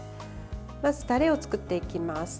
まず、タレを作っていきます。